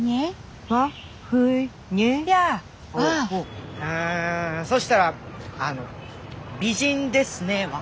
あそしたらあの「美人ですね」は？